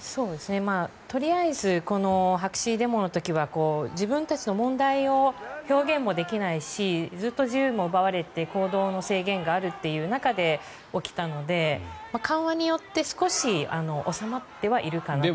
とりあえず白紙デモの時は自分たちの問題を表現もできないしずっと自由も奪われて行動の制限があるという中で起きたので緩和によって少し収まってはいるかなと。